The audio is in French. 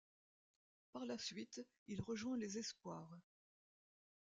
Par la suite, il rejoint les espoirs.